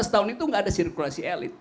lima belas tahun itu tidak ada sirkulasi elit